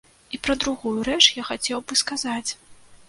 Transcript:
І пра другую рэч я хацеў бы сказаць.